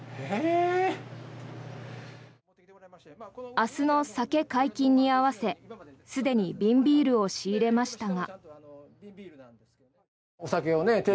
明日の酒解禁に合わせすでに瓶ビールを仕入れましたが。